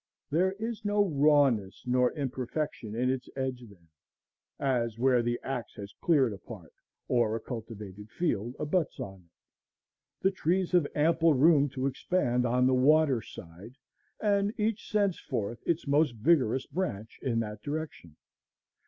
There is no rawness nor imperfection in its edge there, as where the axe has cleared a part, or a cultivated field abuts on it. The trees have ample room to expand on the water side, and each sends forth its most vigorous branch in that direction.